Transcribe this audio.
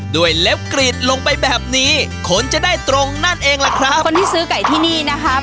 เล็บกรีดลงไปแบบนี้ขนจะได้ตรงนั่นเองล่ะครับคนที่ซื้อไก่ที่นี่นะครับ